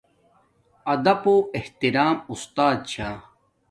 ادپ پو احترام اُستات چھا